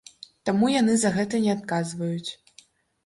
Таму яны за гэта не адказваюць.